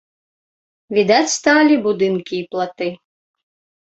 Відаць сталі будынкі і платы.